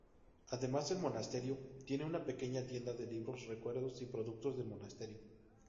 Además, el monasterio tiene una pequeña tienda de libros, recuerdos y productos del monasterio.